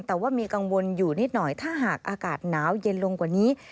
แต่ว่ามีกังวลอยู่นิดหน่อยถ้าหากอากาศหนาวเย็นลงกว่านี้